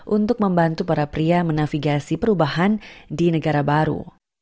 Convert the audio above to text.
untuk membantu para pria menafigasi perubahan di negara baru